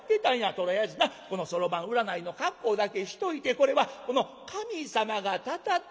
とりあえずなこのそろばん占いの格好だけしといて『これはこの神様がたたってます。